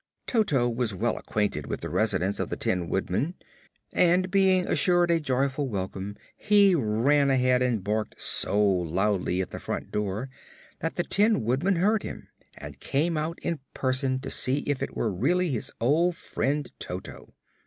Toto was well acquainted with the residence of the Tin Woodman and, being assured a joyful welcome, he ran ahead and barked so loudly at the front door that the Tin Woodman heard him and came out in person to see if it were really his old friend Toto.